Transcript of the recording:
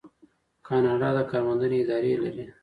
کاناډا د کار موندنې ادارې لري.